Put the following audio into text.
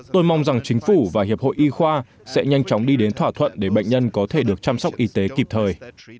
tôi mong rằng chính phủ và hiệp hội y khoa sẽ nhanh chóng đi đến thỏa thuận để bệnh nhân có thể được chăm sóc y tế kịp thời